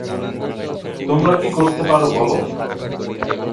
তোমরা কী করতে পার বলো?